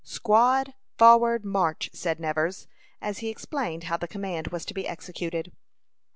"Squad, forward march," said Nevers, as he explained how the command was to be executed.